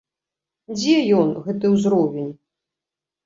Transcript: Дзе ён, гэты ўзровень?